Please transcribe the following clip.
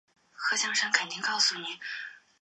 却接到爸爸打来的电话